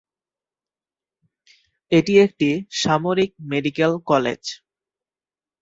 এটি একটি সামরিক মেডিকেল কলেজ।